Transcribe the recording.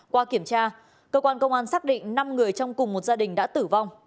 qua kiểm tra công an tp hcm xác định năm người trong cùng một gia đình đã tử vong